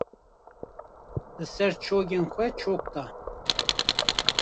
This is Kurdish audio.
Li ser çokên xwe çok da.